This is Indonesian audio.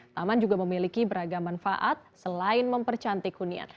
taman juga memiliki beragam manfaat selain mempercantik hunian